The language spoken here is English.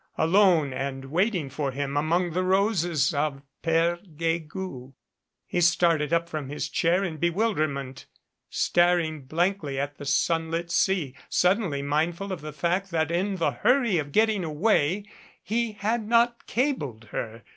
Alone and waiting for him among the roses of Pere Guegou He started up from his chair in bewilderment, staring blankly at the sunlit sea, suddenly mindful of the fact that in the hurry of getting away he had not cabled her.